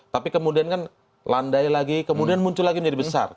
tapi kemudian kan landai lagi kemudian muncul lagi menjadi besar